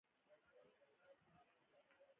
د ژړو ګلو باغ پر چا باندې سپارې مینه.